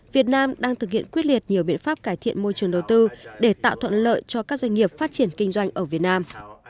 việt nam đang thực hiện quyết liệt nhiều biện pháp cải thiện môi trường đầu tư để tạo thuận lợi cho các doanh nghiệp phát triển kinh doanh ở việt nam